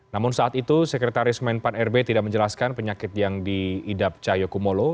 namun saat itu sekretaris men pan r b tidak menjelaskan penyakit yang diidap cahaya kumolo